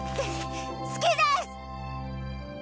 好きです！